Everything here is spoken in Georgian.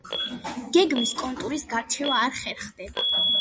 გეგმის კონტურის გარჩევა არ ხერხდება.